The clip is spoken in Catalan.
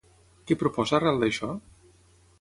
Què proposa arrel d'això?